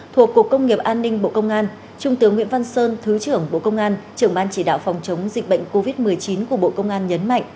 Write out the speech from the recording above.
thuộc cục công nghiệp an ninh bộ công an trung tướng nguyễn văn sơn thứ trưởng bộ công an